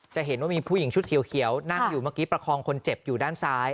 จะเห็นว่ามีผู้หญิงชุดเขียวนั่งอยู่เมื่อกี้ประคองคนเจ็บอยู่ด้านซ้าย